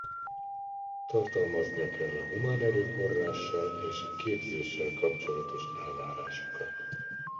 Tartalmaznia kell a humán erőforrással és képzéssel kapcsolatos elvárásokat.